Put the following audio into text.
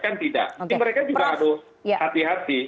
kan tidak jadi mereka juga harus hati hati